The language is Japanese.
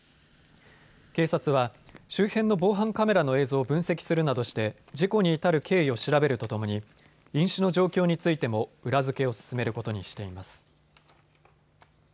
警察は周辺の防犯カメラの映像を分析するなどして事故に至る経緯を調べるとともに飲酒の状況についても裏付けを進めることにしています。